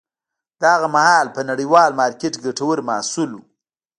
دا هغه مهال په نړیوال مارکېت کې ګټور محصول و.